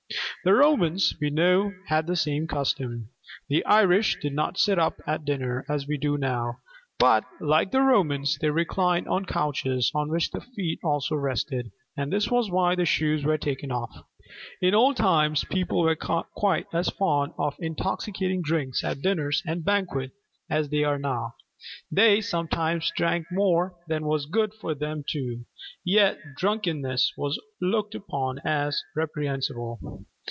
The Romans we know had the same custom. The Irish did not sit up at dinner as we do now; but, like the Romans, they reclined on couches on which the feet also rested; and this was why the shoes were taken off. In old times people were quite as fond of intoxicating drinks at dinners and banquets as they are now. They sometimes drank more than was good for them too: yet drunkenness was looked upon as reprehensible.